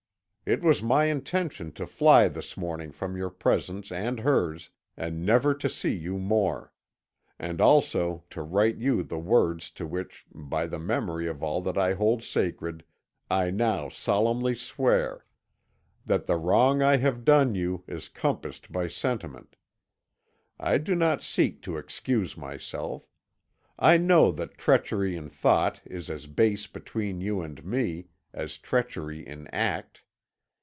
It was my intention to fly this morning from your presence and hers, and never to see you more; and also to write to you the words to which, by the memory of all that I hold sacred, I now solemnly swear that the wrong I have done you is compassed by sentiment. I do not seek to excuse myself; I know that treachery in thought is as base between you and me, as treachery in act.